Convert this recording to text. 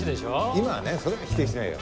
今はねそれは否定しないよ。